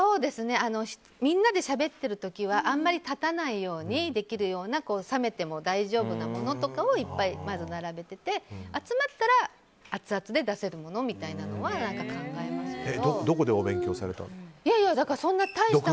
みんなでしゃべってる時は、あまり立たないようにできるような冷めても大丈夫なものとかをいっぱいまず並べてて集まったら、アツアツで出せるものみたいなのはどこでお勉強されたんですか独学ですか？